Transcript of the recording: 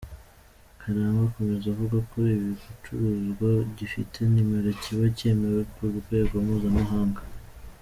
Karangwa akomeza avuga ko igicuruzwa gifite nimero kiba cyemewe ku rwego mpuzamahanga .